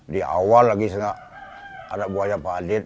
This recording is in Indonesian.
di awal lagi ada buahnya pak adit